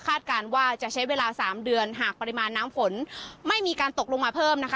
การว่าจะใช้เวลาสามเดือนหากปริมาณน้ำฝนไม่มีการตกลงมาเพิ่มนะคะ